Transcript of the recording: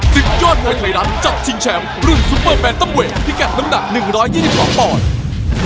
สิกยอดมวยไทยรัฐจัดทิ้งแชมป์รุ่นซุปเปอร์แบนตั้มเวทที่แก่ดน้ำหนัก๑๒๔ปอนด์